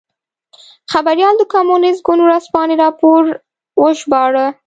خبریال د کمونېست ګوند ورځپاڼې راپور وژباړه.